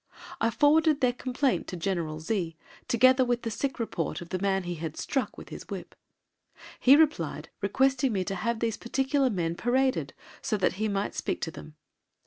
I forwarded their complaint to General Z, together with the sick report of the man he had struck with his whip. He replied requesting me to have these particular men paraded so that he might speak to them.